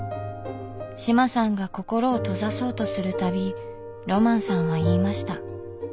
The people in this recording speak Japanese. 志麻さんが心を閉ざそうとする度ロマンさんは言いました。